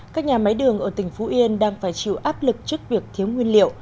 các nhà máy đường ở tỉnh phú yên đang phải chịu áp lực trước việc thiếu nguyên liệu